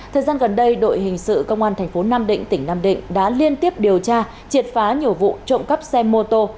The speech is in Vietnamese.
thời gian gần đây đội hình sự công an thành phố nam định tỉnh nam định đã liên tiếp điều tra triệt phá nhiều vụ trộm cắp xe mô tô